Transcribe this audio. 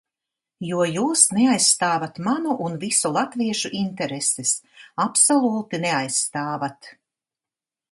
Jo jūs neaizstāvat manu un visu latviešu intereses, absolūti neaizstāvat!